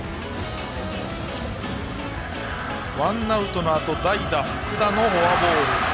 ワンアウトのあと代打、福田のフォアボール。